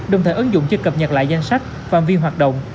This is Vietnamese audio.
đồng thời ứng dụng chưa cập nhật lại danh sách phạm vi hoạt động